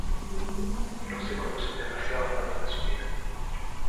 No se conocen demasiados datos de su vida.